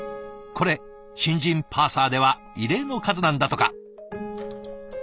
これ新人パーサーでは異例の数なんだとか。